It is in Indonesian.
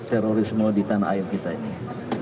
terorisme di tanah air kita ini